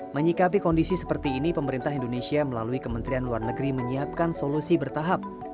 menyikapi kondisi seperti ini pemerintah indonesia melalui kementerian luar negeri menyiapkan solusi bertahap